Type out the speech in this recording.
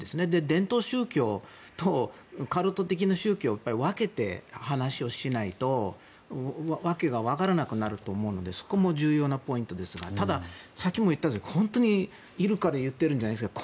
伝統宗教とカルト的な宗教は分けて話をしないと訳が分からなくなると思うのでそこも重要なポイントですがただ、さっきも言ったように本当にいるから言っているんじゃないですか。